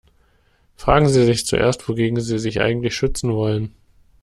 Fragen Sie sich zuerst, wogegen Sie sich eigentlich schützen wollen.